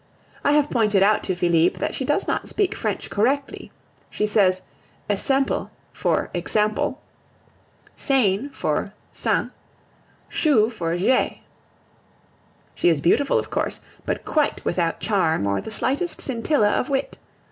I have pointed out to Felipe that she does not speak French correctly. She says esemple for exemple, sain for cinq, cheu for je. She is beautiful of course, but quite without charm or the slightest scintilla of wit.